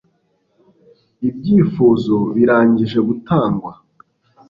ibyifuzo birangije gutangwa